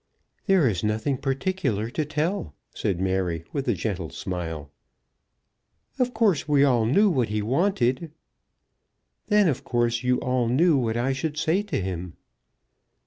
"There is nothing particular to tell," said Mary, with a gentle smile. "Of course we all knew what he wanted." "Then of course you all knew what I should say to him."